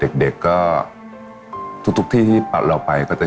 แต่ตอนเด็กก็รู้ว่าคนนี้คือพระเจ้าอยู่บัวของเรา